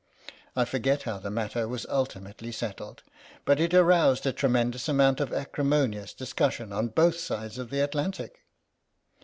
I forget how the matter was ultimately settled, but it aroused a tremendous amount of acrimonious discussion on both sides of the Atlantic.